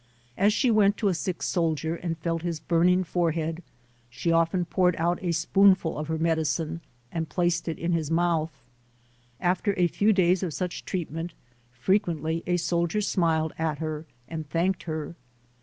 As she went to a sick soldier and felt his burning forehead, she often poured out a spoonful of her medicine and placed it in his mouth. After a few days of such treatment frequently a soldier smiled at her and thanked her.